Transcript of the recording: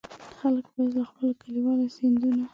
خلک باید له خپلو کلیوالو سیندونو.